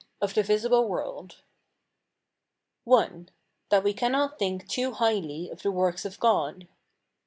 OF THE VISIBLE WORLD. I. That we cannot think too highly of the works of God.